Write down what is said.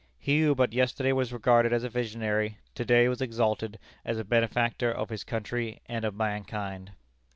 He who but yesterday was regarded as a visionary, to day was exalted as a benefactor of his country and of mankind.